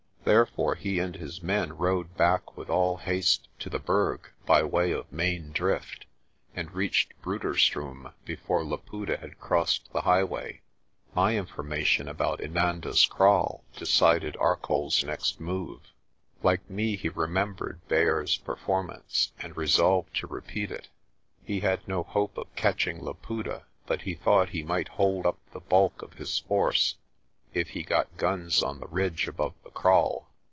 Therefore, he and his men rode back with all haste to the Berg by way of Main Drift and reached Bruderstroom before Laputa had crossed the highway. My information about Inanda's Kraal decided Arcoll's next move. Like me he remembered Beyers's performance, and resolved to repeat it. He had no hope of catching Laputa but he thought he might hold up the bulk of his force if he got guns on the ridge above the kraal.